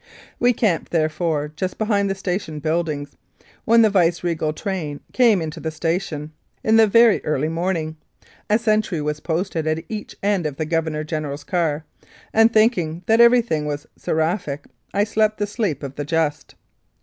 We camped, therefore, just behind the station buildings. When the viceregal train came into the station (in the very early morning) a sentry was posted at each end of the Governor General's car, and think ing that everything was seraphic I slept the sleep of the just.